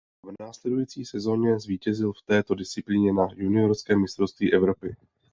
V následující sezóně zvítězil v této disciplíně na juniorském mistrovství Evropy.